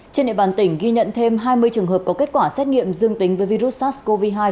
trên địa bàn tỉnh ghi nhận thêm hai mươi trường hợp có kết quả xét nghiệm dương tính với virus sars cov hai